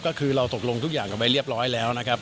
ก็คือเราตกลงทุกอย่างกันไปเรียบร้อยแล้วนะครับ